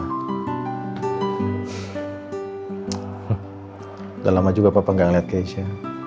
sudah lama juga papa gak ngeliat keisha